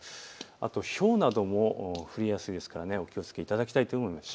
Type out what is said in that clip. あと、ひょうなども降りやすいですからお気をつけいただきたいと思います。